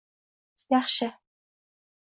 Yaxshi